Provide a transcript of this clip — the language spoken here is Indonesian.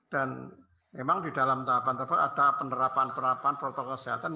dan memang di dalam tahapan tersebut ada penerapan penerapan protokol kesehatan